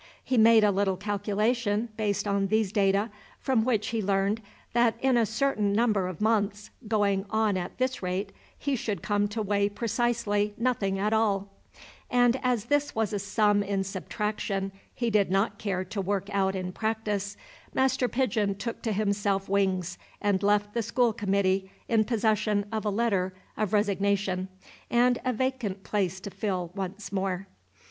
He made a little calculation, based on these data, from which he learned that in a certain number of months, going on at this rate, he should come to weigh precisely nothing at all; and as this was a sum in subtraction he did not care to work out in practice, Master Pigeon took to himself wings and left the school committee in possession of a letter of resignation and a vacant place to fill once more.